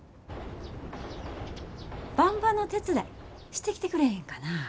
ばんばの手伝いしてきてくれへんかな？